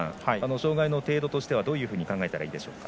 障がいの程度としたらどういうふうに考えたらいいでしょうか？